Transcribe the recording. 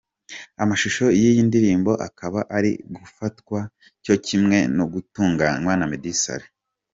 Amashusho y’iyi ndirimbo akaba ari gufatwa cyo kimwe no gutunganywa na Meddy Saleh.